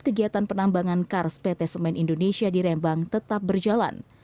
kegiatan penambangan kars pt semen indonesia di rembang tetap berjalan